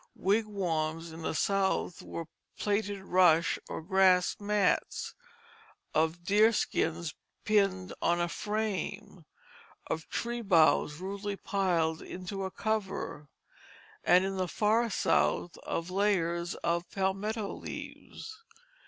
Wigwams in the South were of plaited rush or grass mats; of deerskins pinned on a frame; of tree boughs rudely piled into a cover, and in the far South, of layers of palmetto leaves.